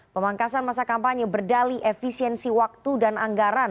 pemangkasan masa kampanye berdali efisiensi waktu dan anggaran